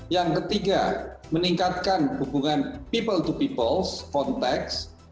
yang ketiga meningkatkan hubungan people to people konteks